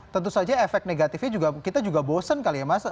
tentu saja efek negatifnya juga kita juga bosen kali ya mas